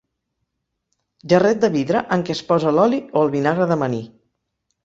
Gerret de vidre en què es posa l'oli o el vinagre d'amanir.